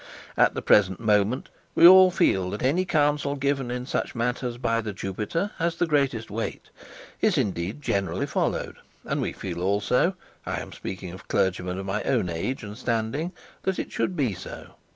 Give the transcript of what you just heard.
'At the present moment we all feel that any counsel given in such matters by the Jupiter has the greatest weight, is, indeed, generally followed; and we feel also I am speaking of clergymen of my own age and standing that it should be so.